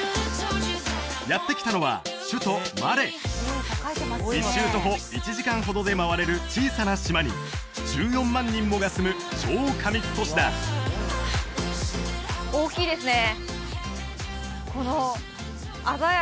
やって来たのは首都マレ１周徒歩１時間ほどで回れる小さな島に１４万人もが住む超過密都市だ大きいですね